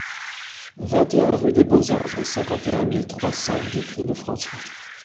vingt et un rue des Beaux Anges, cinquante et un mille trois cents Vitry-le-François